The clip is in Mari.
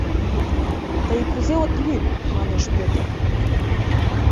Тый кузе от лӱд? — манеш Пӧтыр.